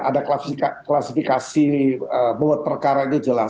ada klasifikasi bahwa perkara ini jelas